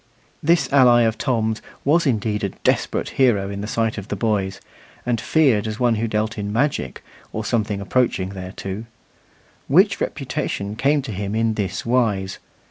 This ally of Tom's was indeed a desperate hero in the sight of the boys, and feared as one who dealt in magic, or something approaching thereto. Which reputation came to him in this wise.